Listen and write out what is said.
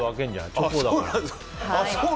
チョコだから。